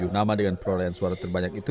tujuh nama dengan perolehan suara terbanyak itu